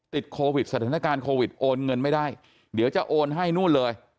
ติดโควิดสถานการณ์โควิดโอนเงินไม่ได้เดี๋ยวจะโอนให้นู่นเลย